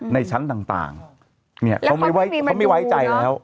ในชั้นต่างเนี่ยเขาไม่ไว้ใจแล้ว